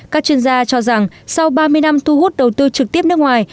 các chuyên gia cho rằng sau ba mươi năm thu hút đầu tư trực tiếp nước ngoài